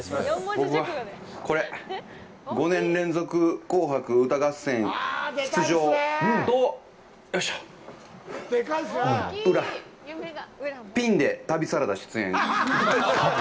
僕は、これ、「５年連続紅白歌合戦出場！！」と、よいしょ、裏、「ピンで旅サラダ出演！！」。